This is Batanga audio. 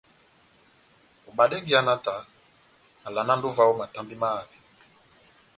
Obadɛngɛ iha náhtanɛ, nahávalanandi ová ó matambi mahavi.